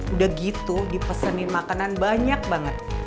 udah gitu dipesenin makanan banyak banget